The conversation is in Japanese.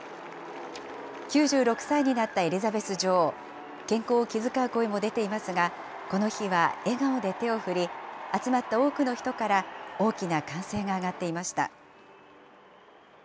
９６歳になったエリザベス女王、健康を気遣う声も出ていますが、この日は笑顔で手を振り、集まった多くの人から大きな歓声が上がっていました。